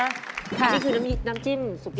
นี่คือน้ำจิ้มไก่